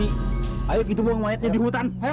iya iya tunggu sebentar ya